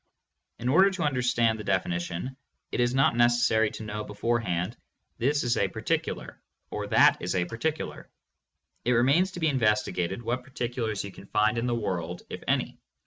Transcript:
In order to understand the definition it is not necessary to know beforehand "This is a particular" or "That is a particular". It remains to be investigated what particulars you can find in the world, if any.